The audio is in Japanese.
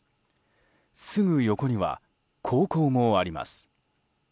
すぐ横には高校もあります。